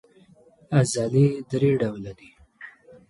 عضلې درې ډوله دي.